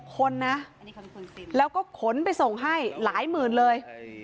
คนนะแล้วก็ขนไปส่งให้หลายหมื่นเลย